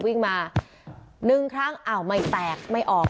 วิ่งมา๑ครั้งอ้าวไม่แตกไม่ออก